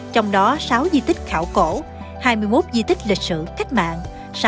trong đó sáu di tích khảo cổ hai mươi một di tích lịch sử cách mạng